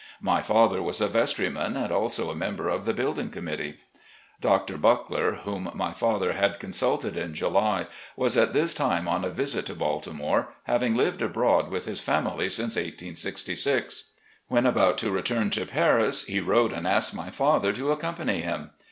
My father was a vestryman, and also a member of the building committee. Dr. Buckler, whom my father had consulted in July, was at this time on a visit to Baltimore, having Hved abroad with his family since r866. When about to return to Paris he wrote and asked my father to accompany him.